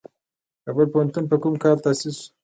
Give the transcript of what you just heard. کابل پوهنتون په کوم کال تاسیس شو؟